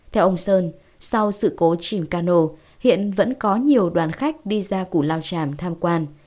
theo ông sơn sau sự cố chìm cano hiện vẫn có nhiều đoàn khách đi ra củ lao tràm tham quan